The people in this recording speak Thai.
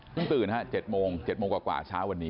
พรุ่งตื่นครับ๐๗๐๐กว่าเช้าวันนี้